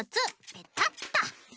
ペタッと。